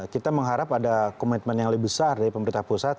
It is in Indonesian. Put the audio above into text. kita mengharap ada komitmen yang lebih besar dari pemerintah pusat